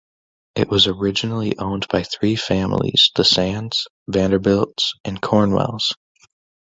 It was originally owned by three families, the Sands, Vanderbilts, and Cornwells.